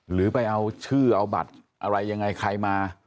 หรือไปเอาชื่อเอาบัตรอะไรยังไงใครมา